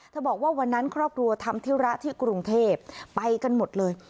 บอกว่าวันนั้นครอบครัวทำธุระที่กรุงเทพไปกันหมดเลย